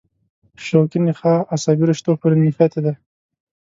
شوکي نخاع عصبي رشتو پورې نښتې ده.